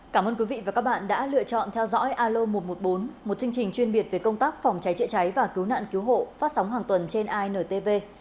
cảm ơn quý vị và các bạn đã lựa chọn theo dõi alo một trăm một mươi bốn một chương trình chuyên biệt về công tác phòng cháy chữa cháy và cứu nạn cứu hộ phát sóng hàng tuần trên intv